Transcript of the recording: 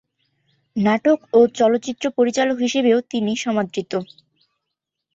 নাটক ও চলচ্চিত্র পরিচালক হিসাবেও তিনি সমাদৃত।